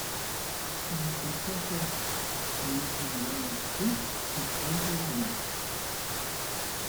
En el tercer cuerpo, que es de mayor longitud, se encuentra el reloj.